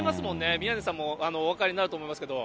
宮根さんもお分かりになると思いますけど。